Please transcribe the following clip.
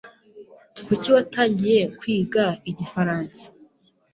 Kuki watangiye kwiga igifaransa?